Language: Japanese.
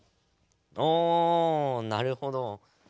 おなるほど。